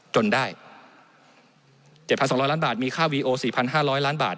จนได้๗๒๐๐ล้านบาทมีค่าวีโอ๔๕๐๐ล้านบาท